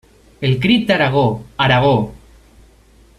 El crit Aragó, Aragó!